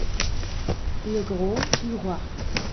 Le Grau du Roi